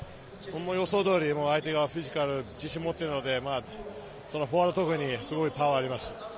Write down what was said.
予想通り相手はフィジカルに自信を持っているので、フォワードは特にパワーがあります。